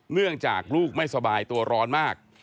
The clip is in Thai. เนื่องจากลูกไม่สบายตัวร้อนมาก